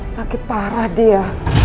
sakit parah dia